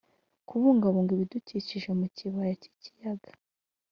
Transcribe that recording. kubungabunga ibidukikije mu Kibaya cy Ikiyaga